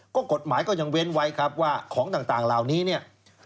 ก็กฎหมายก็ยังเว้นไว้ครับว่าของต่างเหล่านี้เนี่ย